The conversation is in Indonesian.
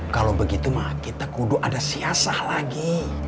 kalau begitu kita kudu ada siasat lagi